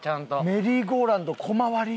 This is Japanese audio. メリーゴーランド小回り。